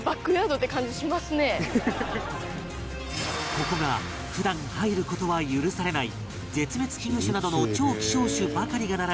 ここが普段入る事は許されない絶滅危惧種などの超希少種ばかりが並ぶ